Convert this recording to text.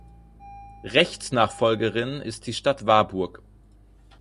Rechtsnachfolgerin ist die Stadt Warburg.